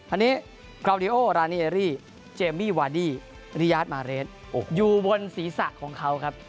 อันนี้คราวดีโอรานีเอรี่เจมมี่วาดี้ริยาทมาเรทอยู่บนศีรษะของเขาครับ